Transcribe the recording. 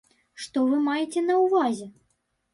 Што вы маеце на ўвазе?